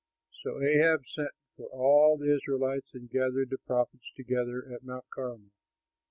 So Ahab sent for all the Israelites and gathered the prophets together at Mount Carmel.